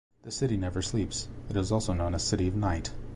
The city never sleeps, it is also known as city of night.